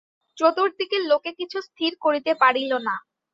চতুর্দিকের লোকে কিছু স্থির করিতে পারিল না।